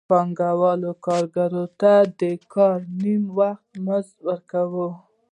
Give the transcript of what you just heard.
پانګوال کارګر ته د کار نیم وخت مزد ورکوي